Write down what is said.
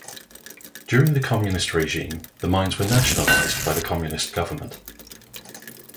During the communist regime, the mines were nationalized by the communist government.